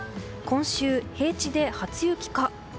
今週、平地で初雪か。